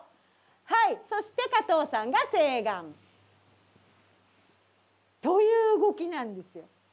はいそして加藤さんが正眼。という動きなんですよ。